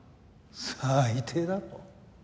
最低だろ。